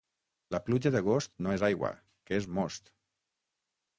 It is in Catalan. La pluja d'agost no és aigua, que és most.